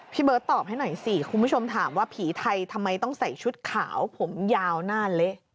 เบิร์ตตอบให้หน่อยสิคุณผู้ชมถามว่าผีไทยทำไมต้องใส่ชุดขาวผมยาวหน้าเละ